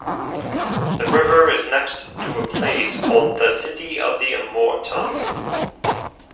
The river is next to a place called the City of the Immortals.